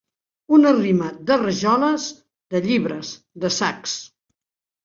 Una rima de rajoles, de llibres, de sacs.